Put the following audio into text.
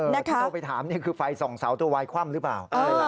แต่ที่เข้าไปถามนี่คือไฟส่องเสาตัววายคว่ำหรือเปล่า